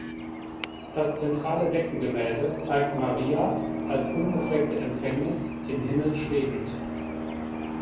Das zentrale Deckengemälde zeigt Maria als "Unbefleckte Empfängnis" im Himmel schwebend.